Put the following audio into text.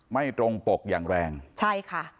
ไม่ตรงปกอย่างแรงใช่ค่ะ